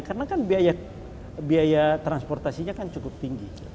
karena kan biaya transportasinya kan cukup tinggi